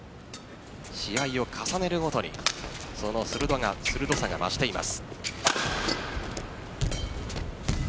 試合を重ねるごとにその鋭さが増しています。